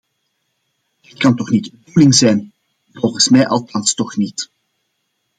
Dat kan toch niet de bedoeling zijn, volgens mij althans toch niet.